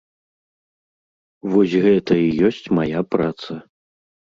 Вось гэта і ёсць мая праца.